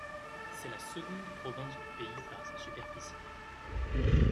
C'est la seconde province du pays par sa superficie.